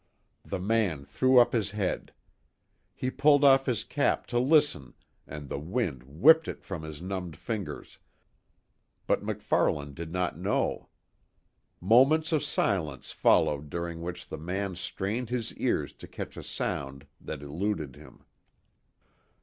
The man threw up his head. He pulled off his cap to listen and the wind whipped it from his numbed fingers but MacFarlane did not know. Moments of silence followed during which the man strained his ears to catch a sound that eluded him.